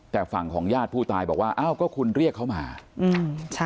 แต่ฝั่งของญาติผู้ตายบอกว่าอ้าวก็คุณเรียกเขามาอืมใช่